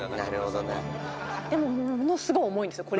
「でもものすごい重いんですよ